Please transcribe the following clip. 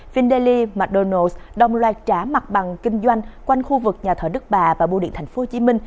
findeli mcdonald s đồng loạt trả mặt bằng kinh doanh quanh khu vực nhà thờ đức bà và bưu điện tp hcm